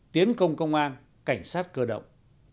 tiến công công an cảnh sát cơ động